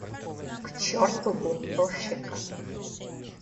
К чёрту бунтовщика!